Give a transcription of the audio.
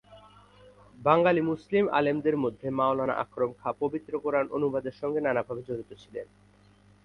বাঙালি মুসলিম আলেমদের মধ্যে মওলানা আকরম খাঁ পবিত্র কোরআন অনুবাদের সঙ্গে নানাভাবে জড়িত ছিলেন।